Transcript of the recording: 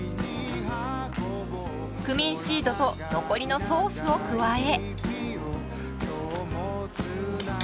クミンシードと残りのソースを加え。